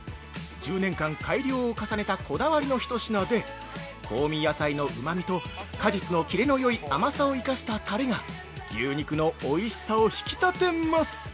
１０年間改良を重ねたこだわりの一品で、香味野菜のうまみと、果実のキレの良い甘さを生かしたタレが、牛肉のおいしさを引き立てます。